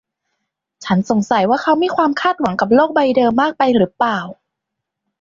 ฉันสงสัยว่าเขามีความคาดหวังกับโลกใบเดิมมากไปหรือเปล่า